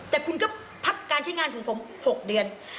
แต่คุณก็พักการใช้งานของผม๖เดือน